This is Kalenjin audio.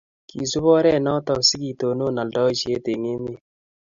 kesup oret notok si ketonon aldaishet eng' emet